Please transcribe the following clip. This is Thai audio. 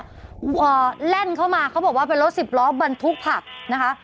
อ่าแล่นเข้ามาเขาบอกว่าเป็นรถสิบล้อบรรทุกผักนะคะ